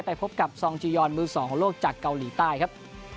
พบกับซองจียอนมือสองของโลกจากเกาหลีใต้ครับ